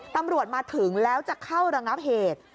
ตำรวจมาถึงแล้วจะเข้าระงับเหตุ